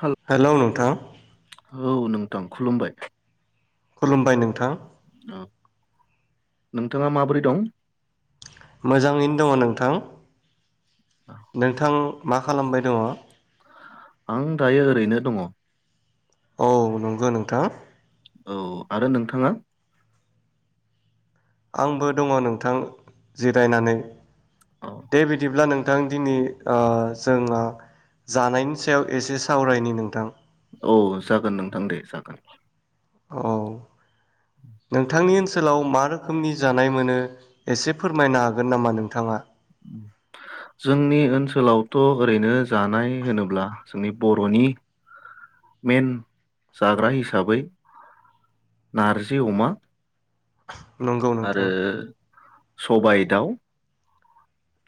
हेल hello नोंथां औ नोंथां खुलुमबाय खुलुमबाय नोंथां नोंथाङा माबोरै दं? मोजाङैनो दङ नोंथां। नोंथां मा खालामबाय दङ आं दायो ओरैनो दङ औ नंगौ नोंथां औ आरो नोंथाङा आंबो दङ नोंथां जिरायनानै औ दे बिदिब्ला नों नोंथां दिनै जोंहा जानायनि सायाव एसे सावरायनि नोंथां औ जागोन नोंथां दे जागोन औ नोंथांनि ओनसोलाव मा मा रोखोमनि जानाय मोनो एसे फोरमायनो हागोन नामा नोंथाङा जोंनि ओनसोलावथ' ओरैनो जानाय होनोब्ला जोंनि बर'नि मेन जाग्रा हिसाबै नारजि अमा नंगौ नोंथां सबायाइ दाउ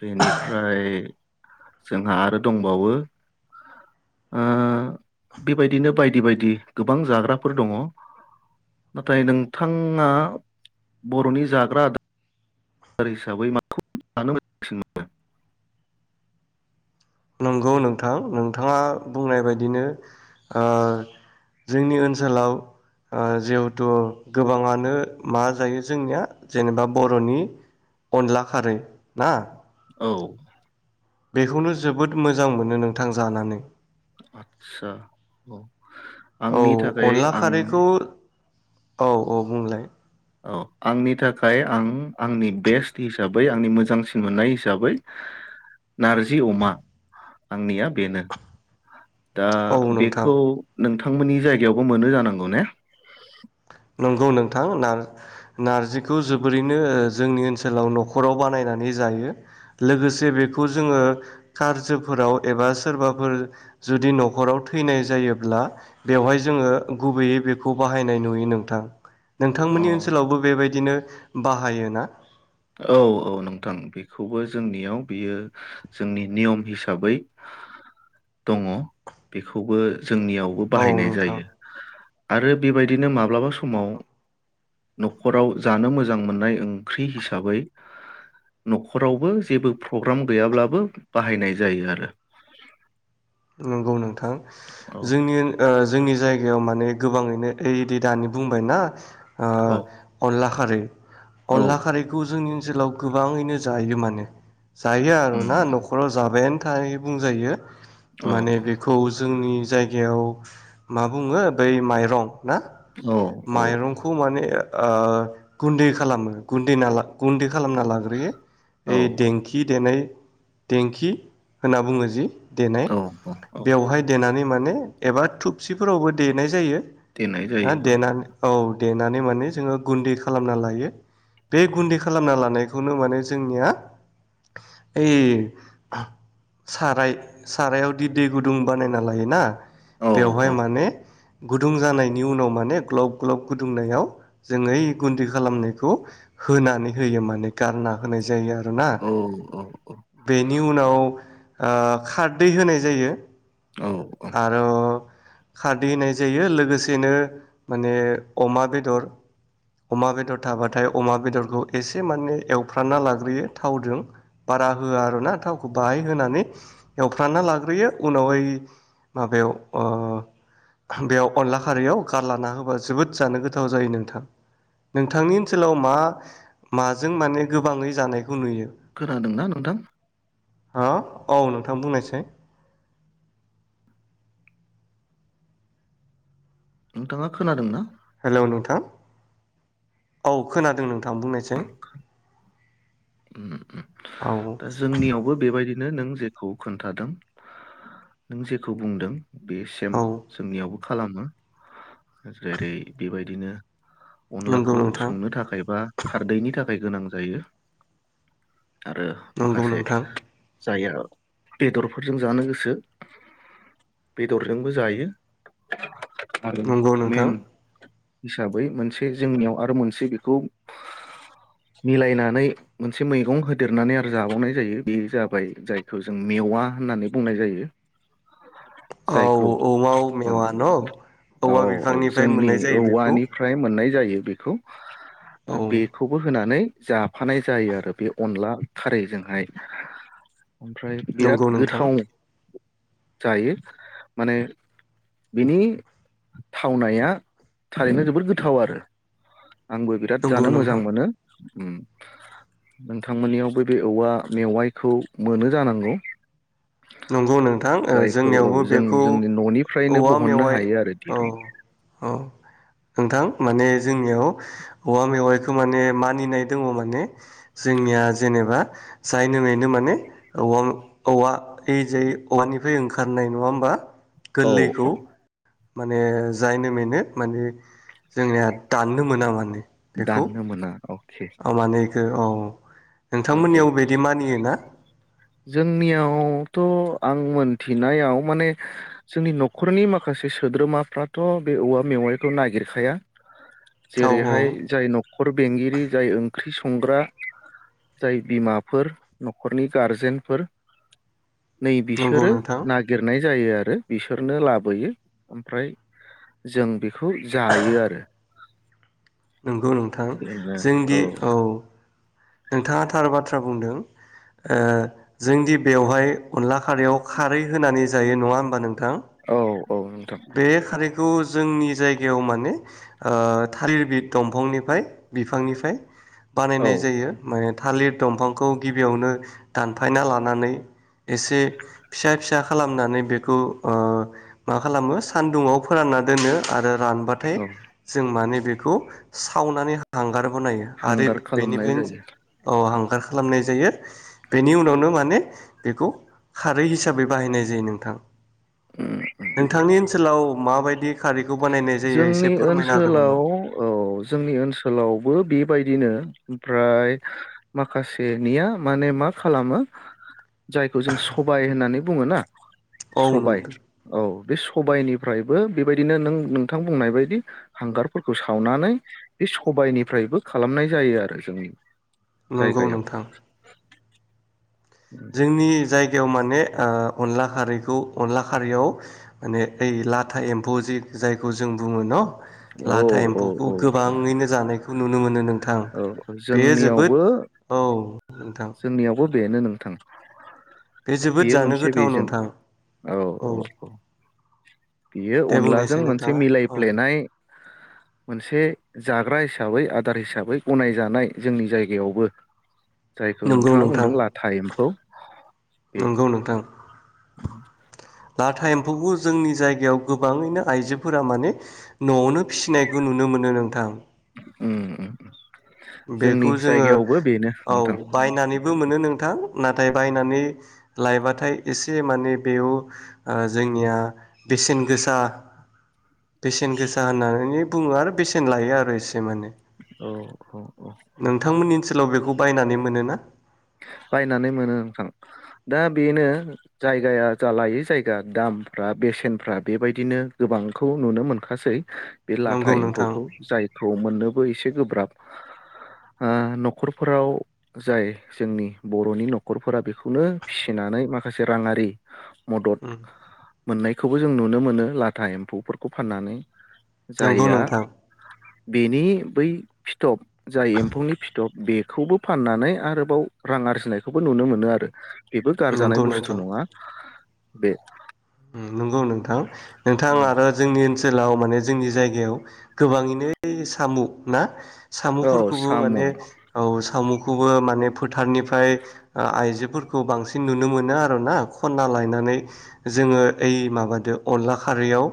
बेनिफ्राय जोंहा आरो दंबावो ओ बेबायदिनो बायदि बायदि गोबां जाग्राफोर दङ नाथाय नोंथाङा बर'नि जाग्रा आदार हिसाबै माखौ जानो मोजांसिन मोनो नंगौ नोंथां नोंथाङा बुंनाय बायदिनो जोंनि ओनसोलाव जिहेथु गोबाङानो मा जायो जोंनिया जेनेबा बर'नि अनला खारै ना औ बेखौनो जोबोद मोजां मोनो नोंथां जानानै आतसा औ औ आंनि थाखाय अनला आं खारैखौ औ -औ बुंलाय औ आंनि थाखाय आं आंनि बेस्ट हिसाबै आंनि मोजांसिन मोननाय हिसाबै नारजि अमा आंनिया बेनो दा औ नोंथां बेखौ नोंथां नोंथांमोननि जायगायावबो मोनो जानांगौ ने नंगौ नोंथां नारजिखौ जोबोरैनो जोंनि ओनसोलाव न'खराव बानायनानै जायो लोगोसे बेखौ जोङो कारजफोराव एबा सोरबाफोर जुदि न'खराव थैनाय जायोब्ला बेवहाय जोङो गुबैयै बेखौ बाहायनाय नुयो नों नोंथां अ नोंथांमोननि ओनसोलावबो बेबायदि बिदिनो बाहायोना औ औ नोंथां बेखौबो जोंनियाव बियो जोंनि नियम हिसाबै दङ बेखौबो जोंनियावबो औ बाहायनाय नोंथां जायो आरो बेबायदिनो माब्लाबा सम समाव न'खराव जानो मोजां मोननाय ओंख्रि हिसाबै हिसाबै न'खरावबो जेबो प्रग्राम गैयाब्लाबो बाहायनाय जायो आरो नंगौ नों थां औ जोंनि ओ जायगा जायगायाव माने गोबाङैनो ओइ दि दानि बुंबायना औ आरो औ अनला खारैखौ जों जेलाव गोबाङैनो जायो मानो। जायो आरो ना उम न'खराव जाबायानो थाय बुंजायो। औ माने बेखौ जोंनि। जायगायाव मा बुङो बै माइरं। ना औ औ माइरंखौ माने। ओ गुन्दै खालामो गुन्दै ना गुन्दै खालामना लाग्रोयो ओइ देंखि देनाय। देंखि होनना बुङो जि। दिनै। औ औ औ बेवहाय देनानै माने। एबा थुबसिफोरावबो देनाय जायो। देनाय ओ जायो औ देनानै औ देनानै माने जोङो गुन्दै खालामना लायो बे गुन्दै खालामना लानायखौनो माने जोंनिया ओय साराय सारायाव बिदि दै गुदुं बानायना लायोना। औ बेवहाय औ माने। गुदुं जानायनि उनाव माने ग्लब ग्लब गुदुंनायाव जोङो ओय गुन्दै खालामनायखौ होनानै होयो माने गारना होनाय जायो आरो। ना औ औ बेनि उनाव। आ खारदै होनाय। जायो। औ औ आरो खारदै होनाय जायो लोगोसेनो माने अमा बेदर अमा बेदर थाबाथाय अमा बेदरखौ एसे माने एवफ्रानना लाग्रोयो थावदों बारा होआ आर ना थावखौ बाहाय होनानै एवफ्रानना लाग्रोयो उनाव ओ माबायाव ओ बेयाव अनला खारैयाव गारला होबा जोबोद जानो गोथाव जायो नोंथां। नोंथांनि ओनसोलाव मा माजों माने गोबाङै जानाय खोनादोंना नोंथां? हो औ नोंथां बुंनायसाय। नोंथाङा खोनादों ना? हेलौ नोंथां औ खोनादों नोंथां बुंनायसाय। ओम औ ओम जोंनियावबो बेबायदि नो नों जेखौ खोन्थादों नों जेखौ बुंदों। बे सेम औ जोंनियावबो खालामो। जेरै बिबाय दिनो नंगौ अनलाखौ नोंथां संनो थाखाय बा खारदैनि थाख फाय गोनां जायो। आरो नंगौ माखासे नोंथां जायहा बेदरफोरजों जानो गोसो बेदरजोंबो जायो। आरो नंगौ मेन नोंथां हिसाबै मोनसे जोंनियाव आरो मोनसे बेखौ मिलायनानै मोनसे मैगं होदेरनानै आरो जाबावनाय जायो बे जाबाय जायखौ जों मेवा होननानै बुंनाय जायो। औ जायखौ औवा औ मेवा न' औ औवा औ बिफांनिफ्राय जोंनि मोननाय जायो बेखौ। औवानिफ्राय मोननाय जायो बेखौ। औ दा बेखौबो होनानै। जा फानाय जायो आरो बे अनला खारैजोंहाय। ओमफ्राय नंगौ बिराद नोंथां गोथाव जायो माने बिनि थावनाया थारैनो जोबोद गोथाव आरो। आंबो बिराद नंगौ जानो मोजां नोंथां मोनो। उम। नोंथांमोननियावबो बे औवा मेवाइखौ मोनो जानांगौ। नंगौ नोंथां ओ जायखौ औ जोंनियावबो जों बेखौ जोंनि न'निफ्रायनो औवा बहननो मेवाइ हायो आरो औ दिरुन औ। नोंथां माने जोंनियाव औवा मेवाइखौ माने मानिनाय दङ माने जोंनिया जेनेबा जायनो मैनो माने औवा औवा ओइ जाय औवानिफ्राय ओंखारनाय नङा होमबा? औ गोरलैखौ। औ माने जायनो मेनो माने जोंनिया दाननो मोना माने दाननो मोना औ आ माने इखौ अ अ औ औ नोंथांमोननियाव बिदि मानियो ना? जोंनियावथ' आं मोनथिनायाव माने जोंनि न'खरनि माखासे सोद्रोमाफ्राथ' बे औवा मेवाइखौ नागिरखाया। औ औ जेरैहाय जाय न'खर बेंगिरि जाय ओंख्रि सं संग्रा जाय बिमाफोर न'खरनि गारजेनफोर नै नंगौ बिसोरो नोंथां नागिरनाय जायो आरो बिसोरनो लाबोयो ओमफ्राय जों बेखौ जायो आरो। नंगौ नोंथां जोंदि औ नोंथाङा थार बाथ्रा बुंदों ओ जोंदि बेवहाय अनला खारैयाव खारै होनानै जायो नङा होमबा नोंथां। औ औ नोंथां बे खारैखौ जोंनि जायगायाव माने ओ थालिर बि दंफांनिफ्राय बिफांनिफ्राय औ बानायनाय जायो माने थालिर दंफांखौ गिबियावनो दानफायना लानानै एसे फिसा फिसा खालामनानै बेखौ ओ मा खालामो सान्दुंङाव फोरानना दोनो आरो रानबाथाय औ जों माने बेखौ सावनानै हांगार बनायो आरो हांगार खालामनाय बेनिफ्राय जायो अ हांग गार खालामनाय जायो बेनि उनावनो माने बेखौ खारै हिसाबै बाहायनाय जायो नोंथां। ओम नोंथांनि ओनसोलाव माबायदि खारै जोंनि ओनसोलाव औ जोंनि ओनसोलाव बो बेबायदिनो ओमफ्राय माखासेनिया माने मा खालामो जायखौ जों सबाय होननानै बुंङो ना औ सबाय नोंथां औ बे सबायाइनिफ्रायबो बेबायदिनो नों नों थां बुंनाय बदि हांगारफोरखौ सावनानै बे सबायाइनिफ्रायबो खालामनाय जायो आरो जोंनि नंगौ जायगायाव नोंथां जोंनि जायगायाव माने ओ अनला खारैखौ अनला खारैयाव माने ओइ लाथा एम्फ'जि जायखौ जों बुंङो न' औ लाथा औ एम्फौखौ औ गोबांङैनो जानायखौ नुनो मोनो। नोंथां औ बेयो जोबोद जोंनियावबो औ नोंथां जोंनियावबो बेनो नोंथां। बे जोबोद बेयो जानो मोनसे गोथाव बेजों नोंथां औ औ औ बेयो दे अनलाजों बुंनायसै मोनसे नोंथाङा औ मिलायफ्लेनाय मोनसे जाग्रा हिसाबै आदार हिसा बै गनायजानाय जोंनि जायगायावबो। जायखौ नंगौ नोंथांङा नोंथां बुंदों लाथा एम्फौ बे नंगौ नोंथां लाथा एम्फौखौ जोंनि जायगायाव गोबाङैनो आइजोफोरा माने न'आवनो फिसिनायखौ नुनो मोनो नोंथां। उम उम उम। बेखौ जोङो औ नोंथां बायनानैबो मोनो नोंथां। नाथाय बायनानै लायबाथाय एसे माने बेयाव ओ जोंनिया बेसेन गोसा बेसेन गोसा होननानै बुङो आरो बेसेन लायो आरो एसे माने। औ। औ औ नोंथांमोननि ओनसोलाव बेखौ बायनानै मोनोना? बायनानै मोनो नोंथां दा बेनो जायगाया जा लायै जायगा दामफ्रा बेसेनफ्रा बेबायदिनो गोबांखौ नुनो मोनखासै। बे लाथा नंगौ नोंथां एम्फौखौ जायखौ मोननोबो एसे गोब्राब। ओ न'खरफोराव जाय जोंनि बर'नि न'खरफोरा बेखौनो फिसिनानै माखासे राङारि। मदद ओ मोन्नायखौबो जों नुनो मोनो लाथा एम्फौफोरखौ फान्नानै। नोंगौ नोंथां। बेनि बै फिथब जाय एम्फौनि फिथब बेखौबो फान्नानै आरो बाव रां आरजिनायखौबो नुनो मोनो आरो। बेबो गारजानाय नंगौ बुस्थु नङा। बे। उम। नोंगौ नोंथां नोंथां आरो जोंनि ओनसोलाव माने जोंनि जायगायाव गोबाङैनो सामु ना सामु औ फोरखौबो साम' माने औ सामुख खौबो माने फोथारनिफाय ओ आइजोफोरखौ बांसिन नुनो मोनो आर' ना खन्ना लायनानै जोङो ओय माबादो अनला खारैयाव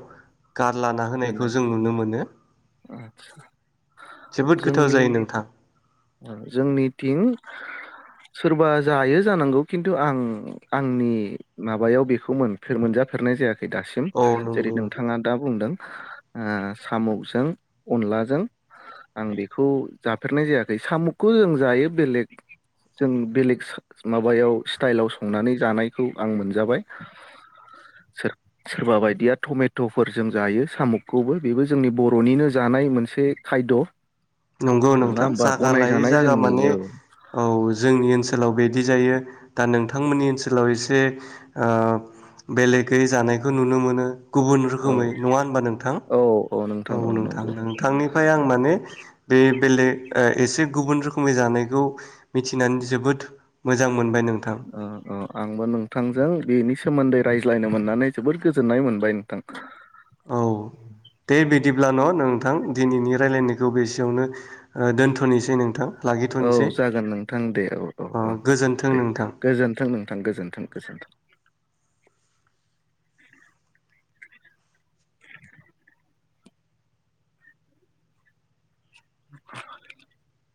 गारलाना होनायखौ दोननाय जों नुनो मोनो। जोबोद गोथाव जोंनि जायो नोंथां ओ जोंनि थिं सोरबा जायो जानांगौ खिन्थु आं आंनि माबायाव बेखौ मोनफ मोनजाफेरनाय जाया खै दासिम औ जेरै नंगौ नोंथाङा दा बुंदों। ओ साम'गजों अनलाजों आं बेखौ जाफेरनाय जायाखै साम'गखौ जों जायो बेलेग जों बेलेग सा माबायाव स्टाइलाव संनानै जानायखौ आं मोनजाबाय सोर-सोरबा बायदिया टमेट'फोरजों जायो। साम'गखौबो बेबो जोंनि बर'निनो जानाय मोनसे खायद'। नंगौ नङा नोंथा होमबा जागा लायै गनायजानाय जागा जोंनि माने औ औ जोंनि ओनसोलाव बेद दि जायो दा नोंथांमोननि ओनसोलाव एसे आ बेलेगै जानायखौ नुनो मोनो। गुबुन रोखोमै नङा होनबा नोंथां औ नोंथां नोंथांनिफ्राय आं माने ए बेलेग ओ एसे गुबुन रोखोमै जानायखौ मिथिनानै जोबोद मोजां मोनबाय नोंथां ओ अ आंबो नोंथांजों बेनि सोमोन्दै रायज्लायनो मोननानै जोबोद गोजोननाय मोनबाय नोंथां औ दे बिदिब्ला न' नोंथां दिनैनि रायलायनायखौ बेसेयावनो ओ दोनथ'नोसै नोंथां। औ लाखिथ'नोसै जागोन नोंथां दे औ औ अ औ गोजोन्थों दे नोंथां गोजोन्थों नोंथां गोजोनथों गोजोन्थों [inaudible] [unintelligible]